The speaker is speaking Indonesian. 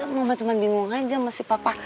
mama cuma bingung aja sama si papa